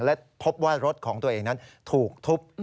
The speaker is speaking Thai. และพบว่ารถของตัวเองนั้นถูกทุบ